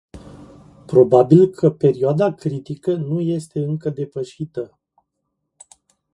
Probabil că perioada critică nu este încă depășită.